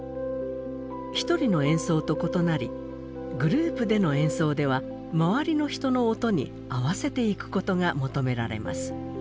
１人の演奏と異なりグループでの演奏では周りの人の音に合わせていくことが求められます。